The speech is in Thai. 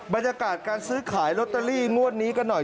บรรยากาศการซื้อขายลอตเตอรี่งวดนี้กันหน่อย